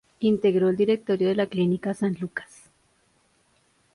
Integró el directorio de la Clínica San Lucas.